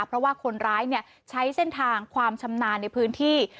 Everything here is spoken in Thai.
เพราะว่าคนร้ายใช้เส้นทางความชำนาญในพื้นที่